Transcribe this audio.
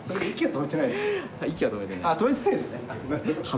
止めてないんですね。